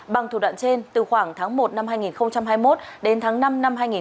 bằng thủ đoạn trên từ khoảng tháng một năm hai nghìn hai mươi một đến tháng năm năm hai nghìn hai mươi ba